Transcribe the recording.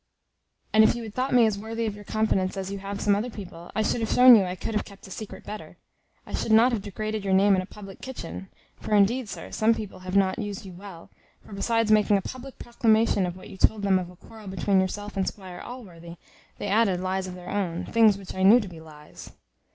And if you had thought me as worthy of your confidence as you have some other people, I should have shown you I could have kept a secret better. I should not have degraded your name in a public kitchen; for indeed, sir, some people have not used you well; for besides making a public proclamation of what you told them of a quarrel between yourself and Squire Allworthy, they added lies of their own, things which I knew to be lies."